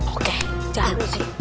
oke jangan berusaha